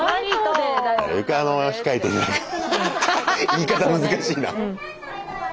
言い方難しいなうん。